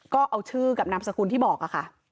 ก็เอาชื่อกับนามสกุลที่บอกค่ะ